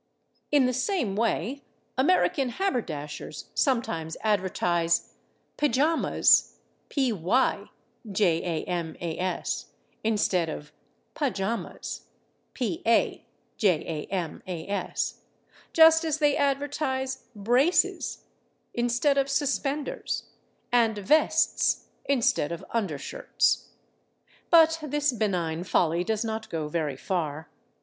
In the same way American haberdashers sometimes advertise /pyjamas/ instead of /pajamas/, just as they advertise /braces/ instead of /suspenders/ and /vests/ instead of /undershirts/. But this benign folly does not go very far.